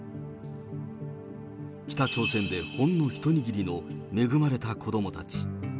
北朝鮮でほんの一握りの恵まれた子どもたち。